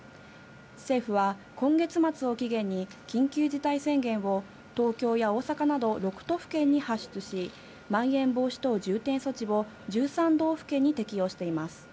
政府は、今月末を期限に緊急事態宣言を東京や大阪など６都府県に発出し、まん延防止等重点措置を１３道府県に適用しています。